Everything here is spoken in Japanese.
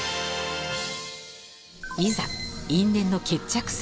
いざ因縁の決着戦。